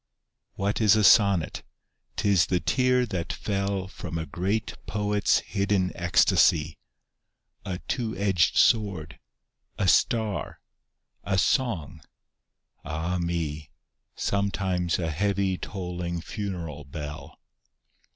What is a sonnet ? 'T is the tear that fell From a great poet's hidden ecstasy ; A two edged sword, a star, a song — ah me I Sometimes a heavy tolling funeral bell.